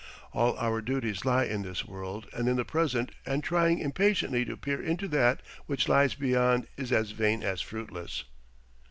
All our duties lie in this world and in the present, and trying impatiently to peer into that which lies beyond is as vain as fruitless.